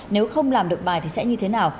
nếu không làm được bài thì sẽ như thế nào